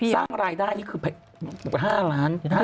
สร้างรายได้นี่คือ๕ล้าน๕แสนล้าน